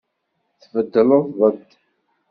Tbeddleḍ-d.